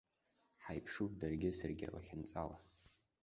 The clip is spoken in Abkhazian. Ҳаиԥшуп даргьы саргьы лахьынҵала.